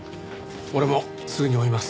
俺もすぐに追います。